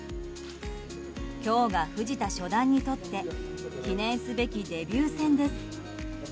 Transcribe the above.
今日が藤田初段にとって記念すべきデビュー戦です。